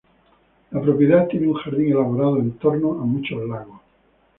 La propiedad tiene un jardín elaborado, en torno a muchos lagos.